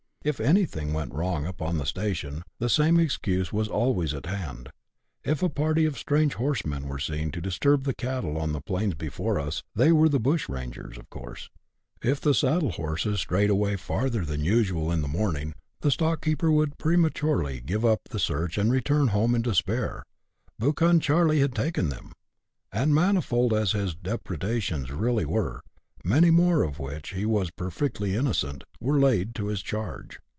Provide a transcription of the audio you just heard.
If anything went wrong upon the station, the same excuse was always at hand ; if a party of strange horsemen were seen to disturb the cattle on tlie plains before us, " they were the bushrangers," of course ; if the saddle horses strayed away farther than usual in the morning, the stock keeper would prematurely give up the search and return home in despair —" Buchan Charley had taken them ;" and manifold as his depredations really were, many more, of which he was per fectly innocent, were laid to his charge.